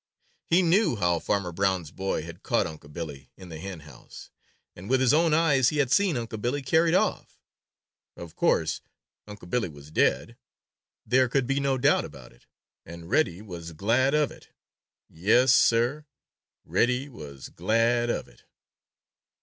He knew how Farmer Brown's boy had caught Unc' Billy in the hen house, and with his own eyes he had seen Unc' Billy carried off. Of course Unc' Billy was dead. There could be no doubt about it. And Reddy was glad of it. Yes, Sir, Reddy was glad of it.